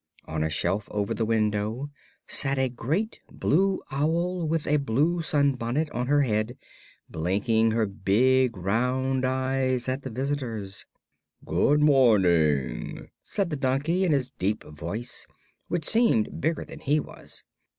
On a shelf over the window sat a great blue owl with a blue sunbonnet on her head, blinking her big round eyes at the visitors. "Good morning," said the donkey, in his deep voice, which seemed bigger than he was.